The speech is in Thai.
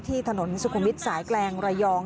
ที่ถนนสุขุมิตรสายแกรงระยอง